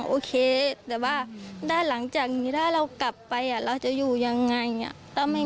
โอเคแต่ว่าด้านหลังจากนี้ถ้าเรากลับไปเราจะอยู่ยังไง